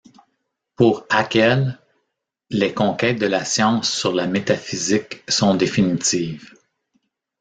Pour Haeckel, les conquêtes de la science sur la métaphysique sont définitives.